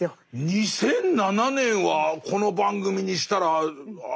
２００７年はこの番組にしたら新しいです。